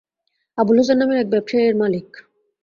আবুল হোসেন নামের এক ব্যবসায়ী এর মালিক।